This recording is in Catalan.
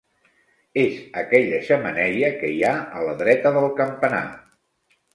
És aquella xemeneia que hi ha a la dreta del campanar.